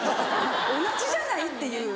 同じじゃない？っていう。